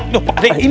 loh pak d ini